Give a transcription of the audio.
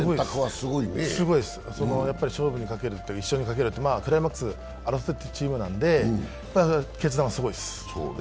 すごいです、勝負にかけるという、クライマックス争っているチームなので決断はすごいです。